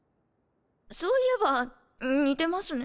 そういえば似てますね。